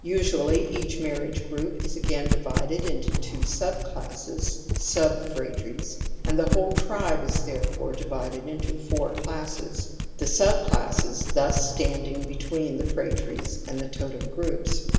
Usually each marriage group is again divided into two subclasses (subphra tries), and the whole tribe is therefore divided into four classes ; the subclasses thus standing between the phratries and the totem groups.